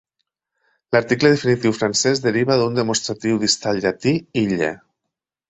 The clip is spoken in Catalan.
L'article definitiu francès deriva d'un demostratiu distal llatí, "ille".